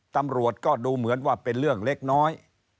ตำรวจก็ดูเหมือนว่าเป็นเรื่องเล็กน้อย